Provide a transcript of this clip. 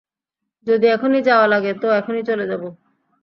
যদি এখনই যাওয়া লাগে, তো এখনই চলে যাবো।